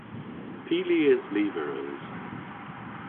Py lies lyver eus?